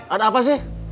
ada apa sih